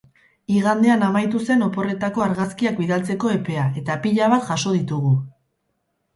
Igandean amaitu zen oporretako argazkiak bidaltzeko epea eta pila bat jaso ditugu!